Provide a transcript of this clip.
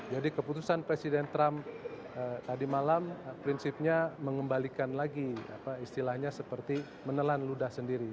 jadi keputusan presiden trump tadi malam prinsipnya mengembalikan lagi istilahnya seperti menelan ludah sendiri